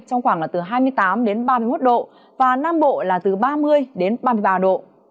trong khoảng là từ hai mươi tám đến ba mươi một độ và nam bộ là từ ba mươi đến ba mươi ba độ